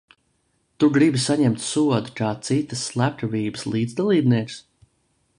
Tu gribi saņemt sodu kā citas slepkavības līdzdalībnieks?